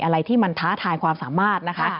อะไรที่มันท้าทายความสามารถนะคะ